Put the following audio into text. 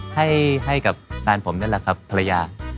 ให้กับแฟนผมนั่นแหละครับภรรยา